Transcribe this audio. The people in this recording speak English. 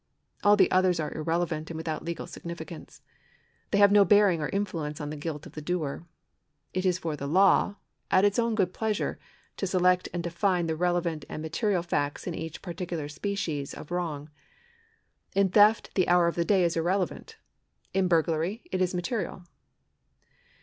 All the others are irrelevant and without legal significance. They have no bearing or influence on the guilt of the doer. It is for the law, at its own good pleasure, to select and define the relevant and material facts in each par ticular species of wrong. In theft the hour of the day is irrelevant ; in burglary it is material.